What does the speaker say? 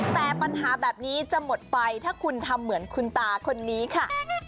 แต่ปัญหาแบบนี้จะหมดไปถ้าคุณทำเหมือนคุณตาคนนี้ค่ะ